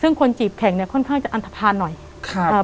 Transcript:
ซึ่งคนจีบแข่งเนี้ยค่อนข้างจะอันทภาณหน่อยครับเอ่อ